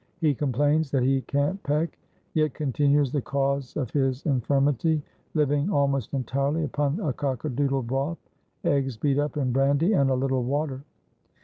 He complains that "he can't peck," yet continues the cause of his infirmity, living almost entirely upon cock a doodle broth eggs beat up in brandy and a little water.